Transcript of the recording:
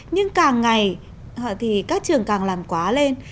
nhưng càng ngày thì các trường càng làm quá lên